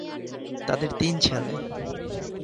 তাঁদের তিন ছেলে।